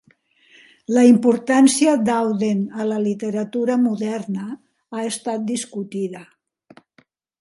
La importància d'Auden a la literatura moderna ha estat discutida.